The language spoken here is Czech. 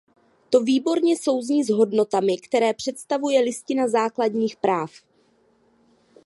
To výborně souzní s hodnotami, které představuje Listina základních práv.